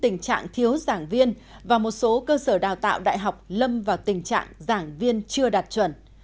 tình trạng thiếu giảng viên và một số cơ sở đào tạo đại học lâm vào tình trạng giảng viên chưa đạt chuẩn